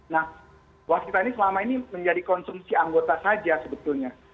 nah waskita ini selama ini menjadi konsumsi anggota saja sebetulnya